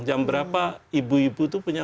jam berapa ibu ibu itu punya